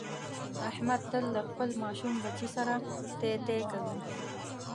احمد تل له خپل ماشوم بچي سره تی تی کوي.